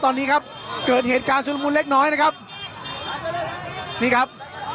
ตอนนี้ครับเกิดเหตุการณ์ชุดละมุนเล็กน้อยนะครับนี่ครับ